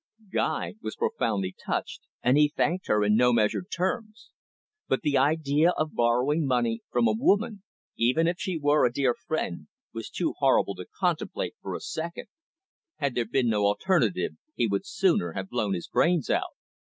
Guy was profoundly touched, and he thanked her in no measured terms. But the idea of borrowing money from a woman, even if she were a dear friend, was too horrible to contemplate for a second. Had there been no alternative, he would sooner have blown his brains out.